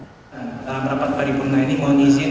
dalam rapat paripurna ini mohon izin